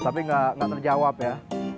tapi nggak terjawab ya